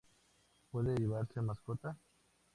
Puede llevarse mascota.